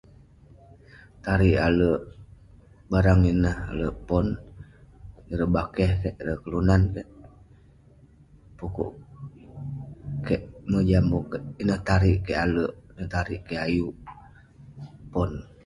Tarik alek barang ineh, alek pon, ireh bakeh keik, ireh kelunan keik, pu'kuk keik mojam, ineh tariik kik alek..ineh tariik kik ayuk pon..